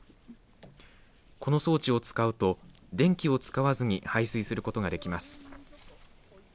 この装置を使うと電気を使わずに排水することができます。